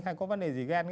hay có vấn đề gì ghen